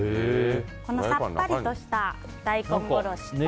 このさっぱりとした大根おろしと。